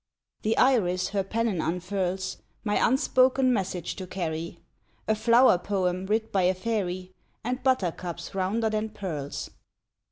The Iris her pennon unfurls, My unspoken message to carry, A flower poem writ by a fairy, And Buttercups rounder than pearls.